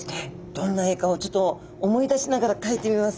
どんな絵かをちょっと思い出しながら描いてみます。